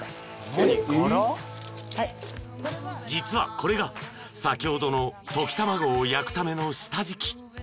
［実はこれが先ほどの溶き卵を焼くための下敷き］